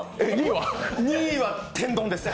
２位は天丼です。